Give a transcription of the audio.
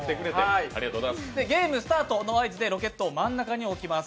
ゲームスタートの合図でロケットを真ん中に置きます。